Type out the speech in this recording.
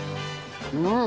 うん！